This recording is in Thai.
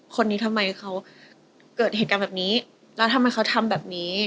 คนนี้ทำไมเขาเกิดเหตุการณ์แบบนี้แล้วทำไมเขาทำแบบนี้